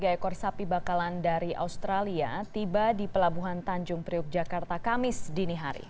dua delapan ratus delapan puluh tiga ekor sapi bakalan dari australia tiba di pelabuhan tanjung priuk jakarta kamis dini hari